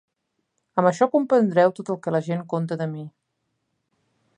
Amb això comprendreu tot el que la gent conta de mi.